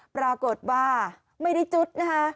ปรากฏว่าไม่ได้จุดนะคะ